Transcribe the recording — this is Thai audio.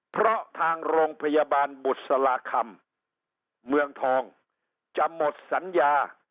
เพราะทางโรงพยาบาลบุษลาคำเมืองทองจะหมดสัญญา